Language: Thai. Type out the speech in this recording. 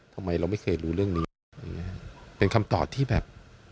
ทำไมเราไม่เคยรู้เรื่องนี้เป็นคำตอบที่แบบ